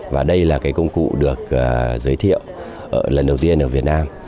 và đây là cái công cụ được giới thiệu lần đầu tiên ở việt nam